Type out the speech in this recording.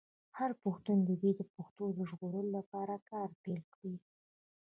هر پښتون دې د پښتو د ژغورلو لپاره کار پیل کړي.